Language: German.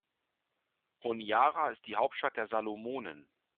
Honiara ist die Hauptstadt der Salomonen.